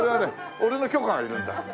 俺の許可が要るんだ。